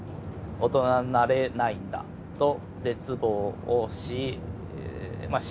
大人になれないんだと絶望をしまあ